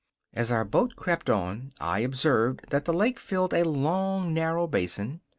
As our boat crept on I observed that the lake filled a long, narrow basin.